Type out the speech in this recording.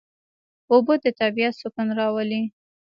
اوبه د طبیعت سکون راولي.